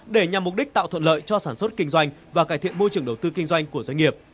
để nhằm mục đích tạo thuận lợi cho sản xuất kinh doanh và cải thiện môi trường đầu tư kinh doanh của doanh nghiệp